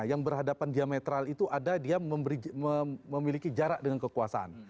yang berhadapan diametral itu ada dia memiliki jarak dengan kekuasaan